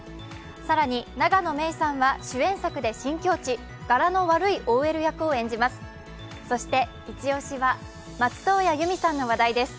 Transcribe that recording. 更に永野芽郁さんは主演作で新境地柄の悪いＯＬ役を演じます。